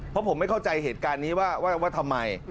เพราะผมไม่เข้าใจเหตุการณ์นี้ว่าทำไม